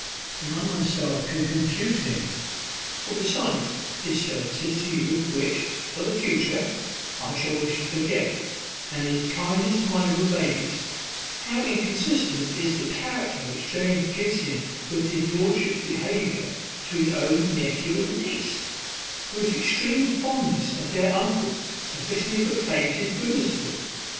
"Then I myself can confute him," replied Amelia: "for, besides his services to you, which, for the future, I shall wish to forget, and his kindness to my little babes, how inconsistent is the character which James gives of him with his lordship's behaviour to his own nephew and niece, whose extreme fondness of their uncle sufficiently proclaims his goodness to them?